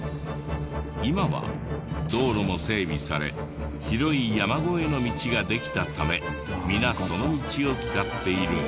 今は道路も整備され広い山越えの道ができたため皆その道を使っているが。